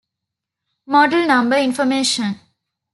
Model number information.